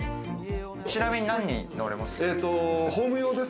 ちなみに何人乗れます？